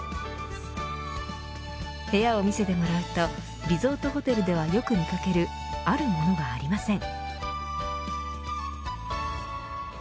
部屋を見せてもらうとリゾートホテルではよく見掛けるあるものがありません。